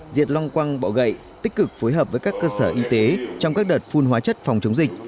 diệt long quăng bọ gậy tích cực phối hợp với các cơ sở y tế trong các đợt phun hóa chất phòng chống dịch